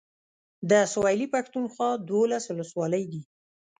د سويلي پښتونخوا دولس اولسولۍ دي.